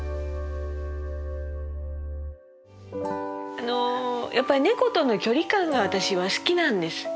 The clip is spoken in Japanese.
あのやっぱり猫との距離感が私は好きなんです。